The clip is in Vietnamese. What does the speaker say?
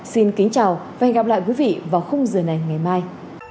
xin kính chào và hẹn gặp lại quý vị vào khung giờ này ngày mai